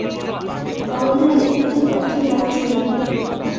Commander, এখানে তো captain Lightyear.